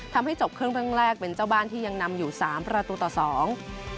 ทำให้จบครึ่งแรกเป็นเจ้าบ้านที่ยังนำอยู่สามประตูต่อสอง